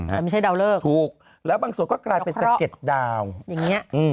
แต่ไม่ใช่ดาวเลิกถูกแล้วบางส่วนก็กลายเป็นสะเก็ดดาวอย่างนี้